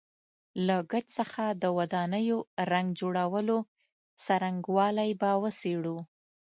له ګچ څخه د ودانیو رنګ جوړولو څرنګوالی به وڅېړو.